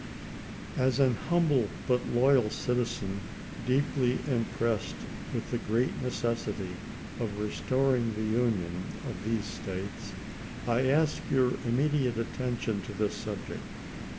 As an humble but loyal citizen deeply impressed with the great necessity of restoring the Union of these States, I ask your immediate attention to this subject.